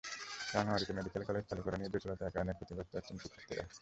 রাঙামাটিতে medical college চালু করা নিয়ে জটিলতার কারণে ক্ষতিগ্রস্ত হচ্ছেন শিক্ষার্থীরা।